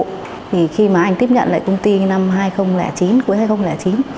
thì khi mà anh tiếp nhận lại công ty năm hai nghìn chín cuối hai nghìn chín